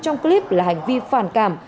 trong clip là hành vi phản cảm